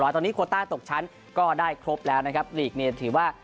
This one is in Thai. ภรรณาตอนนี้โควตาร์ตกชั้นก็ได้ครบแล้วนะครับนิสเทียวว่า